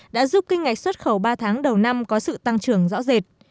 đã giúp kinh ngạch xuất khẩu ba tháng đầu năm có sự tăng trưởng rõ rệt